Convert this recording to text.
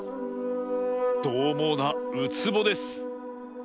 どうもうなウツボです。